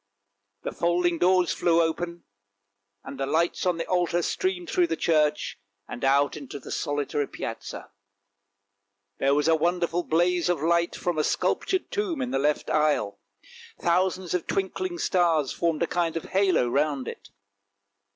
The folding doors flew open, and the lights on the altar streamed through the church, and out into the solitary Piazza. There was a wonderful blaze of light from a sculptured tomb in the left aisle; thousands of twinkling stars formed a kind of halo round it.